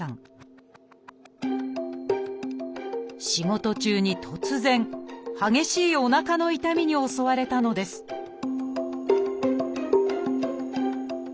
仕事中に突然激しいおなかの痛みに襲われたのですしゃがみ込んで。